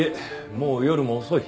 もう夜も遅い。